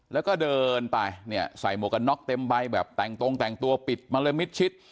แล้วก็เดินไปเนี่ยใส่หมวกกันน็อกเต็มใบแบบแต่งตรงแต่งตัวปิดมะละมิดชิด